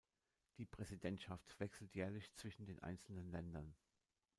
Die Präsidentschaft wechselt jährlich zwischen den einzelnen Ländern.